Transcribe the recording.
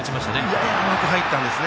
やや甘く入ったんですね。